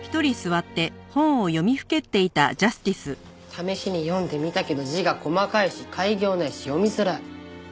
試しに読んでみたけど字が細かいし改行ないし読みづらい。